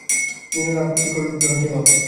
বিনয়ের আপত্তির জন্য কে ভাবছে।